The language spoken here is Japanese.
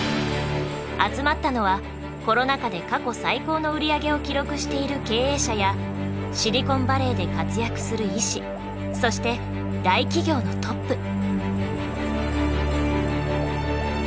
集まったのはコロナ禍で過去最高の売り上げを記録している経営者やシリコンバレーで活躍する医師そして大企業のトップ。